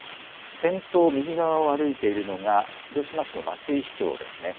先頭右側を歩いているのが広島市の松井市長ですね。